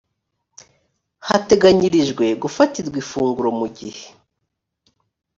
hateganyirijwe gufatirwa ifunguro mu gihe